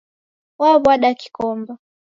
Waw'ada kikomba